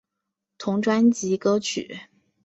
同专辑歌曲。